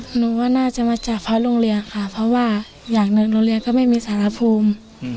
หนูว่าน่าจะมาจากเพราะโรงเรียนค่ะเพราะว่าอย่างหนึ่งโรงเรียนก็ไม่มีสารภูมิ